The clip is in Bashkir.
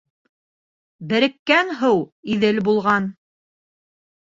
Береккән һыу Иҙел булған